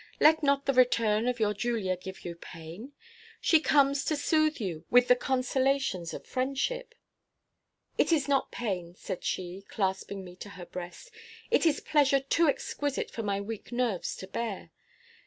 Let not the return of your Julia give you pain; she comes to soothe you with the consolations of friendship." "It is not pain," said she, clasping me to her breast; "it is pleasure too exquisite for my weak nerves to bear.